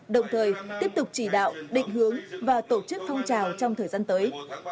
đồng thời tiếp tục chỉ đạo định hướng và tổ chức phong trào trong thời gian tới